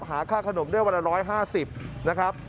หาค่าขนมได้วันละ๑๕๐นะครับ